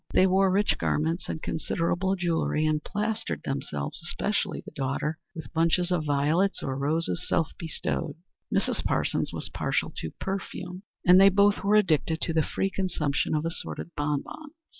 They wore rich garments and considerable jewelry, and plastered themselves especially the daughter with bunches of violets or roses self bestowed. Mrs. Parsons was partial to perfume, and they both were addicted to the free consumption of assorted bonbons.